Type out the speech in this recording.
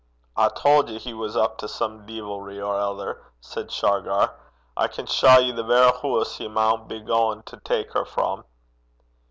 'I tauld ye he was up to some deevilry or ither,' said Shargar. 'I can shaw ye the verra hoose he maun be gaein' to tak her frae.'